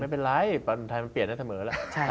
ไม่เป็นไรประเทศไทยมันเปลี่ยนได้เสมอแล้ว